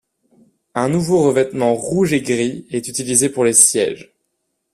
Un nouveau revêtement rouge et gris est utilisé pour les sièges.